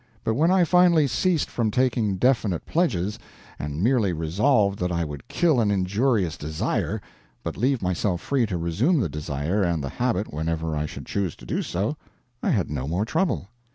But when I finally ceased from taking definite pledges, and merely resolved that I would kill an injurious desire, but leave myself free to resume the desire and the habit whenever I should choose to do so, I had no more trouble.